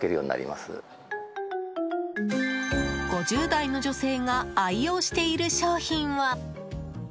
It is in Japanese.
５０代の女性が愛用している商品は。